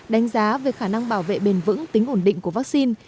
đánh giá về khả năng bảo vệ bền vững tính ổn định của vaccine